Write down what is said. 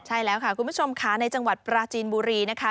ใช่แล้วค่ะคุณผู้ชมค่ะในจังหวัดปราจีนบุรีนะคะ